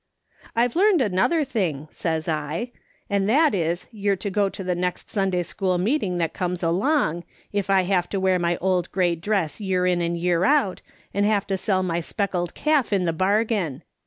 "' I've learned another thing,' says I, ' and that is that you're to go to the next Sunday school meeting that comes along, if I have to wear my old grey dress year in and year out, and have to sell my speckled calf in the bargain.